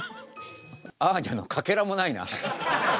アーニャのかけらもないな。